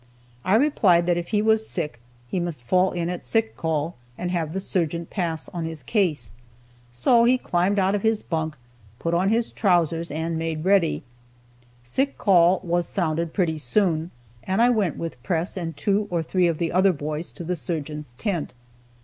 I replied that if he was sick, he must fall in at sick call, and have the surgeon pass on his case, so he climbed out of his bunk, put on his trousers, and made ready. Sick call was sounded pretty soon, and I went with Press and two or three of the other boys to the surgeon's tent.